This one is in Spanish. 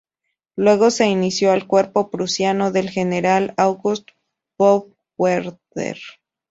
Luego se unió al cuerpo prusiano del general August von Werder.